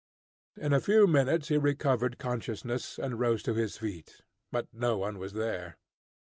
In a few minutes he recovered consciousness, and rose to his feet, but no one was there.